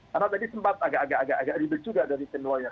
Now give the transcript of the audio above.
karena tadi sempat agak agak ribet juga dari teman temannya